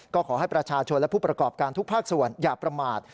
ก็ขอให้ประชาชนและผู้ประกอบการทุกภาคส่วนอย่าประมาท